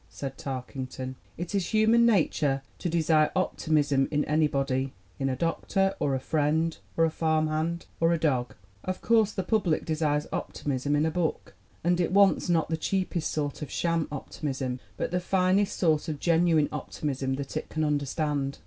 Said Tarkington: "It is human nature to desire optimism in anybody in a doctor, or a friend, or a farm hand, or a dog. Of course, the public desires optimism in a book, and it wants not the 'cheapest sort of sham optimism,' ELLEN GLASGOW 23 but the finest sort of genuine optimism that it can understand.